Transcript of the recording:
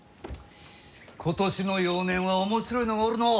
今年の幼年は面白いのがおるのう。